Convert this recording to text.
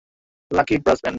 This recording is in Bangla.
Lucky brass band.